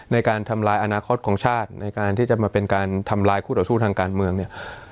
ในการทำลายอนาคตของชาติในการที่จะมาเป็นการทำลายคู่ต่อสู้ทางการเมืองเนี่ย